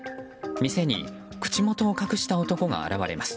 店に口元を隠した男が現れます。